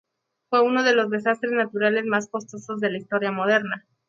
Fue uno de los desastres naturales más costosos de la historia moderna.